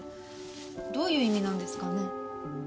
どういう意味なんですかね？